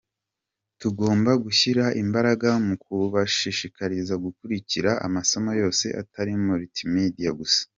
Tugomba gushyira imbaraga mu kubashishikariza gukurikira amasomo yose atari multimedia gusa.